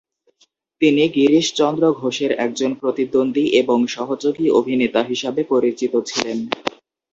তিনি গিরিশ চন্দ্র ঘোষের একজন প্রতিদ্বন্দ্বী এবং সহযোগী অভিনেতা হিসাবে পরিচিত ছিলেন।